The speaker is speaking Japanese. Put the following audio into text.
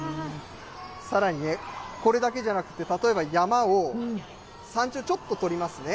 さらにね、これだけじゃなくて、例えば山を、山頂、ちょっと取りますね。